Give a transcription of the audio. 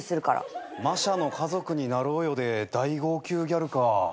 ましゃの『家族になろうよ』で大号泣ギャルか。